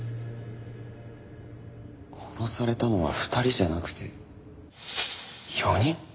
殺されたのは２人じゃなくて４人？